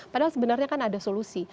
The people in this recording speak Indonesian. padahal sebenarnya kan ada solusi